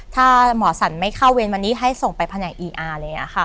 ถ้าหมอสันไม่เข้าเวียนวันนี้ให้ส่งไปพนักอีอาร์